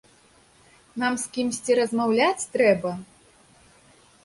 Нам з кімсьці размаўляць трэба?